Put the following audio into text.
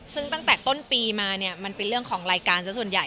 ซึ่งตั้งแต่ต้นปีมาเนี่ยมันเป็นเรื่องของรายการสักส่วนใหญ่